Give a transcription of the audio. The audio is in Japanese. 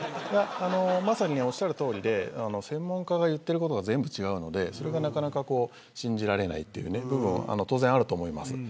まさに、おっしゃるとおりで専門家の言ってることは全部違うのでそれがなかなか信じられないところは当然、あると思います。